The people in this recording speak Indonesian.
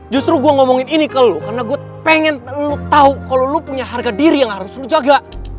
justru gue ngomongin ini ke lu karena gue pengen lu tahu kalau lo punya harga diri yang harus lo jaga